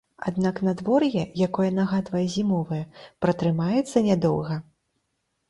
Аднак надвор'е, якое нагадвае зімовае, пратрымаецца нядоўга.